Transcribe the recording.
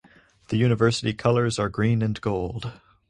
The university colors are green and gold.